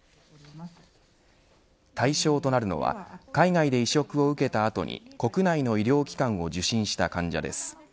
対象となるのは海外で移植を受けた後に国内の医療機関を受診した患者です。